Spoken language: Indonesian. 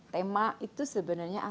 tema itu sebenarnya asean nilai apa